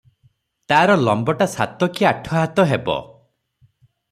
ତା'ର ଲମ୍ବଟା ସାତ କି ଆଠ ହାତ ହେବ ।